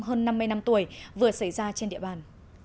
hơn năm mươi năm tuổi vừa xảy ra trên địa bàn